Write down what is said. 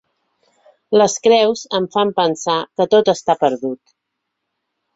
Les creus em fan pensar que tot està perdut.